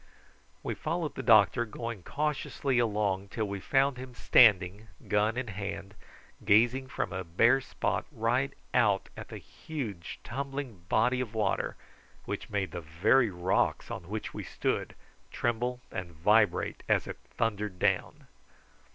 We followed the doctor, going cautiously along till we found him standing gun in hand gazing from a bare spot right out at the huge tumbling body of water, which made the very rocks on which we stood tremble and vibrate as it thundered down.